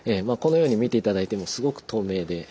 まあこのように見て頂いてもすごく透明で。